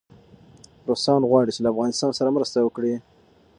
روسان غواړي چي له افغانستان سره مرسته وکړي.